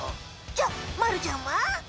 じゃあまるちゃんは？